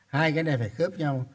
hai cái này phải khớp nhau